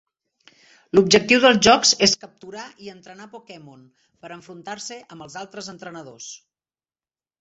L'objectiu dels jocs és capturar i entrenar Pokémon per a enfrontar-se amb altres entrenadors.